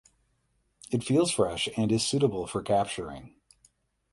It feels fresh and is suitable for capturing.